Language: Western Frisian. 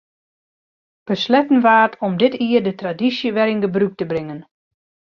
Besletten waard om dit jier de tradysje wer yn gebrûk te bringen.